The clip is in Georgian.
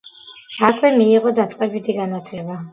აქვე მიიღო დაწყებითი განათლება.